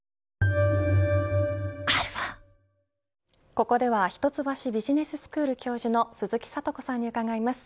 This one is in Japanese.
ここでは一橋ビジネススクール教授の鈴木智子さんに伺います。